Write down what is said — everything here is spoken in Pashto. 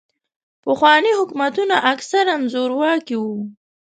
پخواني حکومتونه اکثراً زورواکي وو.